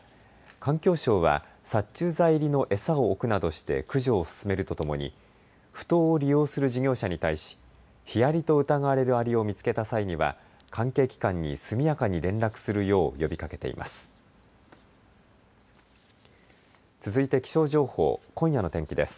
環境省は殺虫剤入りの餌を置くなどして駆除を進めるとともにふ頭を利用する事業者に対しヒアリと疑われるアリを見つけた際には関係機関に速やかに連絡するよう呼びかけています。